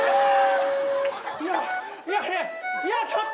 いやいやちょっと。